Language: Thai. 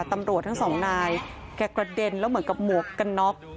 ตำรวจทั้งสองนายแกกระเด็นแล้วเหมือนกับหมวกกันน็อก